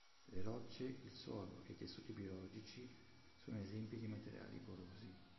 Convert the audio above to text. Le rocce, il suolo, e i tessuti biologici sono esempi di materiali porosi.